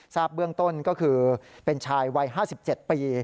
ทราบเบื้องต้นก็คือเป็นชายวัย๕๗ปี